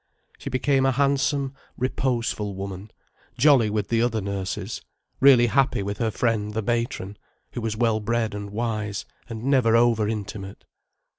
She became a handsome, reposeful woman, jolly with the other nurses, really happy with her friend the matron, who was well bred and wise, and never over intimate.